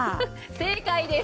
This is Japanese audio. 正解です。